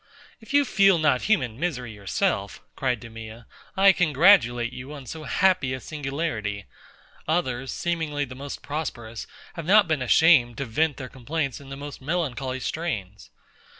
If you feel not human misery yourself, cried DEMEA, I congratulate you on so happy a singularity. Others, seemingly the most prosperous, have not been ashamed to vent their complaints in the most melancholy strains.